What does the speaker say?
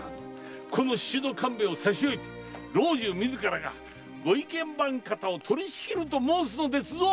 この宍戸官兵衛を差し置いて老中自らが御意見番方を取り仕切ると申すのですぞ！